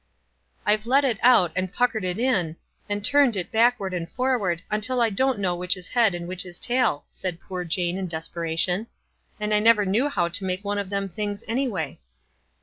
"I've let it out, and puckered it in, and turned it backward and forward, until I don't know which is head and which is tail," said poor Jane, in desperation. "And I never knew how to make one of them things, anyway."